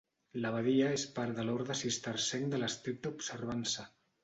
L'abadia és part de l'Orde Cistercenc de l'Estricta Observança.